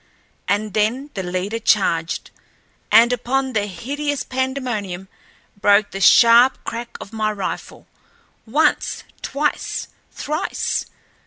And then the leader charged, and upon the hideous pandemonium broke the sharp crack of my rifle, once, twice, thrice.